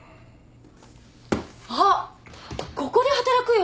あっここで働くよ。